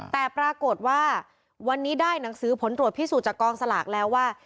แต่ปรากฏว่าวันนี้ได้หนังสือผลตรวจพิสูจน์จากกองสลากแล้วว่า